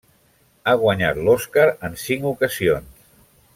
Ha guanyat l'Oscar en cinc ocasions.